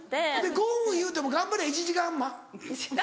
５分いうても頑張りゃ１時間。